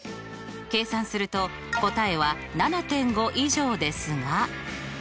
計算すると答えは７．５以上ですが。